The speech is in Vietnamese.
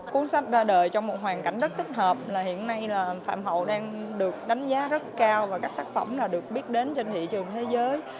cuốn sách ra đời trong một hoàn cảnh rất tích hợp là hiện nay là phạm hậu đang được đánh giá rất cao và các tác phẩm được biết đến trên thị trường thế giới